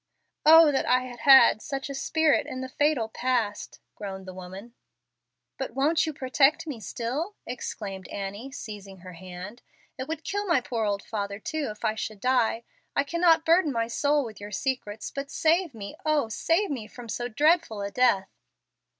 "Oh that I had had such a spirit in the fatal past!" groaned the woman. "But won't you protect me still?" exclaimed Annie, seizing her hand. "It would kill my poor old father too, if I should die. I cannot burden my soul with your secrets, but save me oh, save me, from so dreadful a death!"